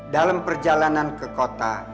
dalam perjalanan ke kota